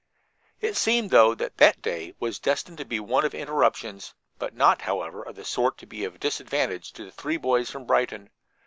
It seemed, though, that that day was destined to be one of interruptions, but not, however, of the sort to be of disadvantage to the three boys from Brighton.